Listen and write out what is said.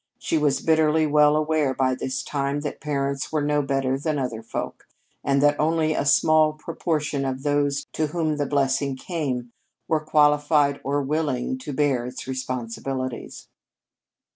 She was bitterly well aware by this time that parents were no better than other folk, and that only a small proportion of those to whom the blessing came were qualified or willing to bear its responsibilities.